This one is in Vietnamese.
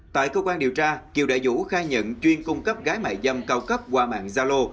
tại cơ quan điều tra kiều đại dũ khai nhận chuyên cung cấp gái mại dâm cao cấp qua mạng zalo